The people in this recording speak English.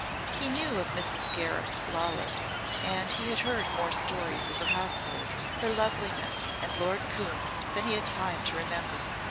He knew of Mrs. Gareth Lawless and he had heard more stories of her household, her loveliness and Lord Coombe than he had time to remember.